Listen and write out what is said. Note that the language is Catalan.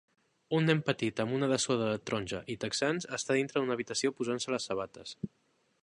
Un nen petit amb una dessuadora taronja y texans està dintre d'una habitació posant-se les sabates.